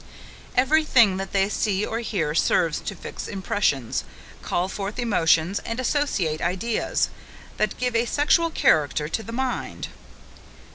Every thing that they see or hear serves to fix impressions, call forth emotions, and associate ideas, that give a sexual character to the mind.